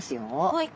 はい。